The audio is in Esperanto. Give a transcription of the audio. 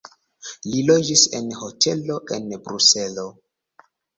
Li loĝis en hotelo en Bruselo.